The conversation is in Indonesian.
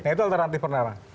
nah itu alternatif pertama